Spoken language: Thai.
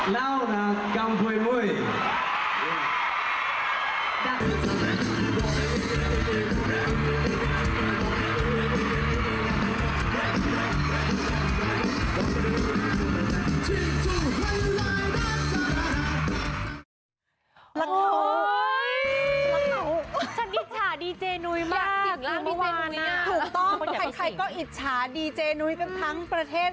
ถูกต้องใครก็อิจฉาดีเจนุ้ยกันทั้งประเทศ